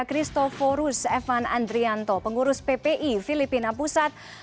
christoforus evan andrianto pengurus ppi filipina pusat